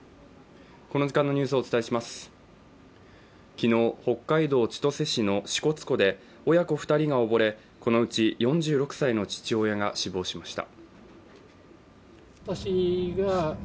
昨日、北海道千歳市の支笏湖で親子２人が溺れ、このうち４６歳の父親が死亡しました。